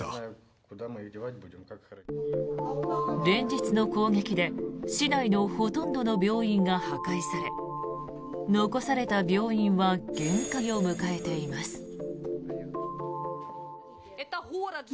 連日の攻撃で市内のほとんどの病院が破壊され残された病院は限界を迎えています。